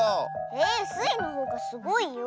えスイのほうがすごいよ。